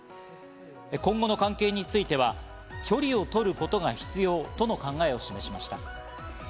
今後の関係については距離を取ることが必要との考えを示しました。